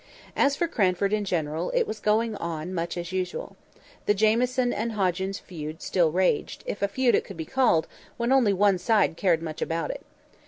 As for Cranford in general, it was going on much as usual. The Jamieson and Hoggins feud still raged, if a feud it could be called, when only one side cared much about it.